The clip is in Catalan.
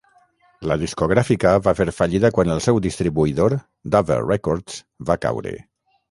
La discogràfica va fer fallida quan el seu distribuïdor, Dover Records, va caure.